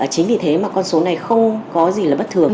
chính vì thế mà con số này không có gì là bất thường